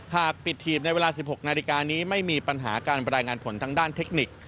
หากปิดหีบในเวลา๑๖นาฬิกานี้ไม่มีปัญหาการบรรยายงานผลทางด้านเทคนิค